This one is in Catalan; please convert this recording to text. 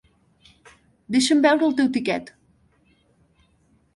Deixa'm veure el teu tiquet.